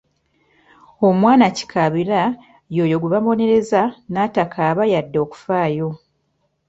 Omwana kikaabira y'oyo gwe babonereza n'atakaaba yadde okufaayo.